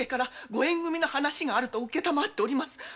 ご縁組の話があると承っております。